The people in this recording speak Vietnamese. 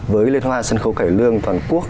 với liên hoa sân khấu cải lương toàn quốc